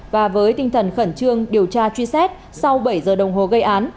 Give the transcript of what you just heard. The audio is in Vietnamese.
và với tinh thần khẩn trương điều tra truy xét sau bảy giờ đồng hồ gây án